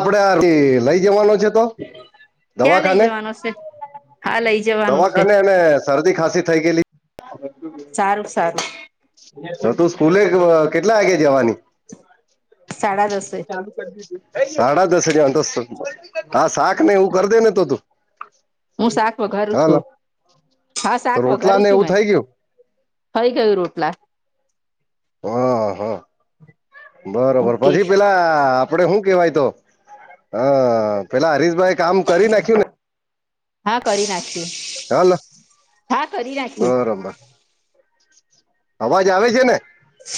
આપડે લઈ જવાનો છે તો દવાખાને? હશે. દવાખાને શરદી ખાસી થઈ ગયેલી. સારું સારું તો તું સ્કૂલે કેટલા વાગે જવાની? સાડા દસ એ. સાડા દસ જવાની હા શાકને એવું કરી દે ને તો તું. હું શાક વઘારું હાલો છું હા તો શાક રોટલા વઘારું ને છું એવું મેં. થઈ ગયું થઈ ગયું રોટલા. હા, હા. બરોબર ઓકે પછી પેલા આપડે શું કેવાય તો હા પેલા હરીશભાઈ કામ કરી નાખ્યું ને હા કરી નાખ્યું, હાલ હા કરી નાખ્યું. બરોબર. અવાજ આવે છે ને?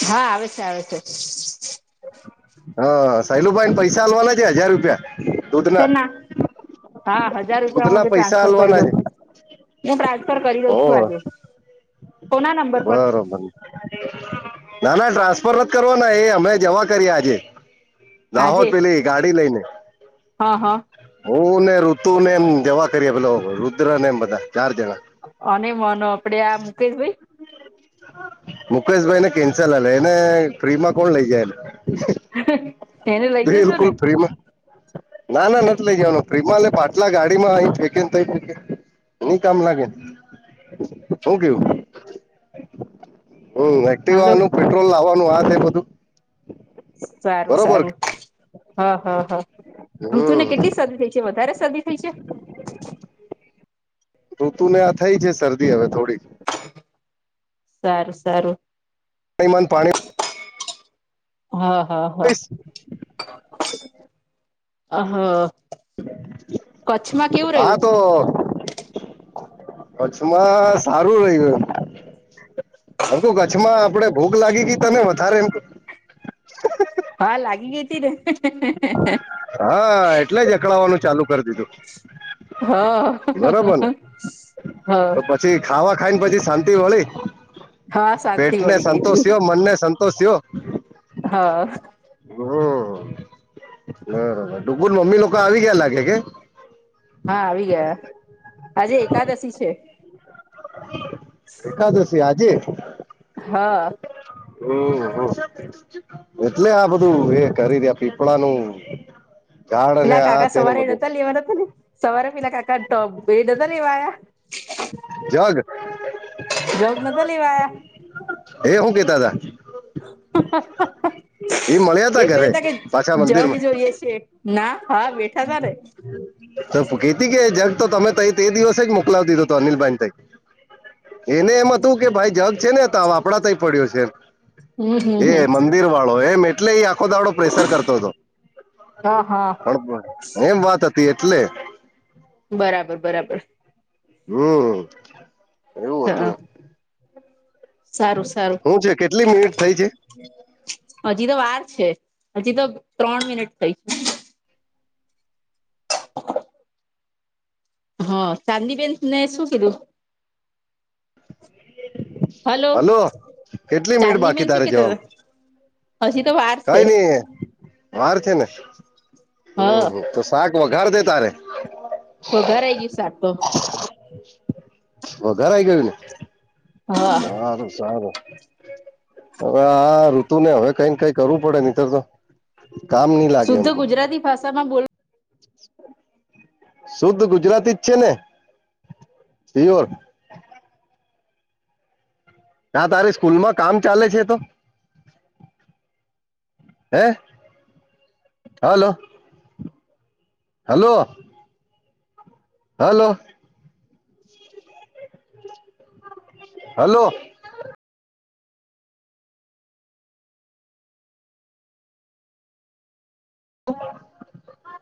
હા આવે છે, આવે છે. હા સાહેલુભાઈને પૈસા આલવાના છે હજાર રૂપિયા. દૂધના શેના હા હજાર રૂપિયા હું દૂધના આજે પૈસા ટ્રાન્સફર કરી આલવાના દો. છે હું ટ્રાન્સફર કરી દઉં છું હો આજે. કોના નંબર પર બરોબર ના ના ટ્રાન્સફર નથ કરવાના એ અમે જવા કરીયા છે. આજે દાહોદ પેલી ગાડી લઈને. હા હા હું ને ઋતુ ને એમ જવા કરીએ પેલો રુદ્ર ને એમ બધા ચાર જણા આ નઈ માનો આપડે આ મુકેશભાઈ મુકેશભાઈને કેન્સલ હલે એને ફ્રી માં કોણ લઈ જાય. એને લઈ જજો ને બિલકુલ ફ્રીમાં ના ના નથી લઇ જવાનું ફીમા ને પાટલા ગાડીમા [inaudible] હું કામ લાગે હું કેવું હમ હાલો એક્ટિવા નું પેટ્રોલ લાવવાનું આ તે બધું. સારું બરોબર સારું હ હ હા ઋતુ ને હમ કેટલી સદી થઈ ગઇ કે વધારે શરદી થઈ છે. ઋતુ ને આ થઈ છે શરદી હવે થોડીક સારું સારું. માં પાણી હા હા હા હા. હા તો કચ્છમાં સારું રહ્યું એમ. ઓમ તો કચ્છમાં આપડે ભૂખ લાગી ગઈ તને વધારે એમ. હા લાગી ગી તી ને. હા એટલે જ અકળાવવાનું ચાલુ કરી દીધું. હા બરોબર ને હા. તો પછી ખાવા ખાઈ ને પછી શાંતિ વળી હા શાંતિ પેટ ને વળી ગઈ હતી સંતોષ થયો મન ને સન તો સેઓ. હા. હ ડુગર મમ્મી લોકો આવી ગયા લાગે કે હા આવી ગયા આજે એકાદશી છે. એકાદશી આજે હા. હમ એટલે આ બધું એ કરી રયા પીપળાનું ઝાડ અને પેલા આ કાકા તેને સવારે એ બધું નોતા લેવા તા ને ને સવારે પેલા કાકા એ તો પે નોતા લેવા આયા. જવા દે જગ નતા લેવાયા એ હું કેતા તા. એ મળ્યા તા એવું ઘરે કેતા પાછા હતા કે મંદિરમાં જગ જોઈએ છે. ના હા બેઠા તા ને. તો પૂઘી તી કે જગ તો તમે તઈ તે દિવસે જ મોકલા દીધો હતો અનિલભાઈ ને તે. એને એમ હતું કે ભાઈ જગ છે ને. તે આપડા તય પડ્યો છે હમ એ હમ હમ મંદિર વાળો એમ એટલે એ આખો દાડો પ્રેસર કરતો તો. હા હા. એમ વાત હતી એટલે બરાબર બરાબર. હમ એવું હતું હા એમ. સારું સારું હું છે કેટલી મિનિટ થઈ છે. હજી તો વાર છે હજી તો ત્રણ મિનિટ થઈ. હા ચાંદીબેન ને શું કીધું. હલો કેટલી મિનિટ ચાંદી બાકી બેન તારે શું કેતા જવામાં તા. હજીી તો વાર છે. હે. વાર છે ને હ હમ તો શાક વઘાર દે તારે. વધારાય ગયું શાક તો. વધારાય ગયું ને. હા. સારું સારું. હવે આ ઋતુ ને હવે કઈક કઈ કરવું પડે નનીતો શુદ્ધ ગુજરાતી ભાષામાં બોલ શુદ્ધ ગુજરાતી જ છે ને [unintelligible] ત્યા તારી સ્કૂલમાં કામ ચાલે છે તો હે હાલો હલો હલો હલો ઓમ